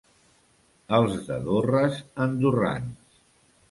Els de Dorres, andorrans.